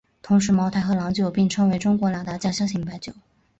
同时茅台和郎酒并称为中国两大酱香型白酒。